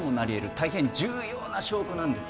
大変重要な証拠なんです